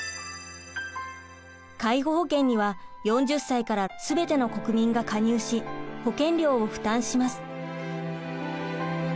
介護保険には４０歳からすべての国民が加入し保険料を負担します。